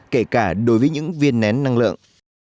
kể cả đối với những viên nén năng lượng